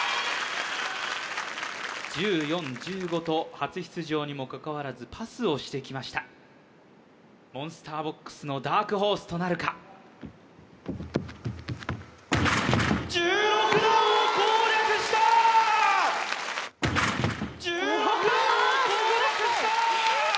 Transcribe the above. １４１５と初出場にもかかわらずパスをしてきましたモンスターボックスのダークホースとなるか１６段を攻略したー！